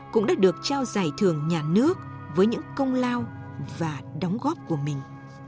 cũng đã được trao giải thưởng nhà nước với những công lao và đóng góp của mình